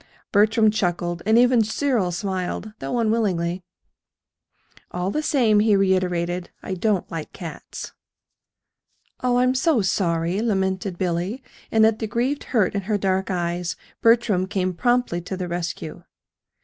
Bertram chuckled, and even Cyril smiled though unwillingly. "All the same," he reiterated, "I don't like cats." "Oh, I'm so sorry," lamented Billy; and at the grieved hurt in her dark eyes Bertram came promptly to the rescue.